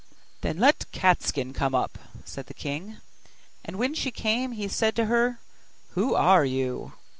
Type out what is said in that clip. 'Then let Cat skin come up,' said the king: and when she came he said to her, 'Who are you?